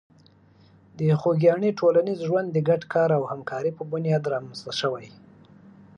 د خوږیاڼي ټولنیز ژوند د ګډ کار او همکاري په بنیاد رامنځته شوی.